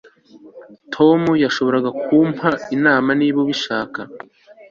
ariko israheli yo ni umugabane w'uhoraho